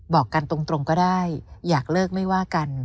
บอกกันตรงก็ได้อยากเลิกไม่ว่ากัน